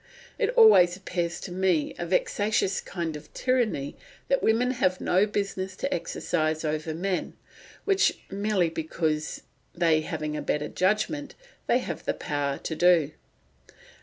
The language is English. It always appears to me a vexatious kind of tyranny, that women have no business to exercise over men, which merely because, they having a better judgment, they have power to do.